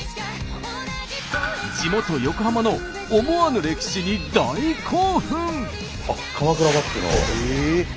地元横浜の思わぬ歴史に大興奮！